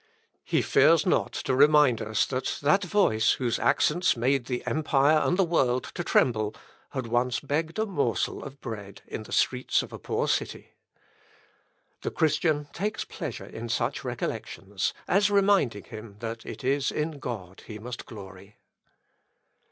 He fears not to remind us that that voice whose accents made the empire and the world to tremble, had once begged a morsel of bread in the streets of a poor city. The Christian takes pleasure in such recollections, as reminding him that it is in God he must glory.